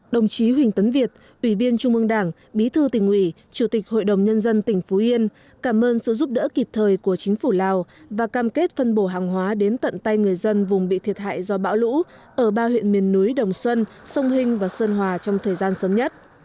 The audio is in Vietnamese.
đồng chí huỳnh tấn việt ủy viên trung ương đảng bí thư tỉnh ủy chủ tịch hội đồng nhân dân tỉnh phú yên cảm ơn sự giúp đỡ kịp thời của chính phủ lào và cam kết phân bổ hàng hóa đến tận tay người dân vùng bị thiệt hại do bão lũ ở ba huyện miền núi đồng xuân sông hinh và sơn hòa trong thời gian sớm nhất